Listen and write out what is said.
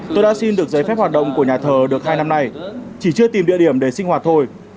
tôi đã xin được giấy phép hoạt động của nhà thờ được hai năm nay chỉ chưa tìm địa điểm để sinh hoạt thôi